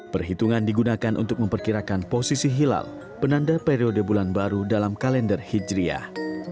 perhitungan digunakan untuk memperkirakan posisi hilal penanda periode bulan baru dalam kalender hijriah